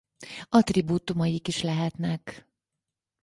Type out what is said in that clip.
Attribútumaik is lehetnek.